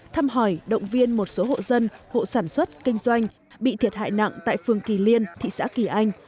thăm hỏi động viên một số hộ dân hộ sản xuất kinh doanh bị thiệt hại nặng tại phường kỳ liên thị xã kỳ anh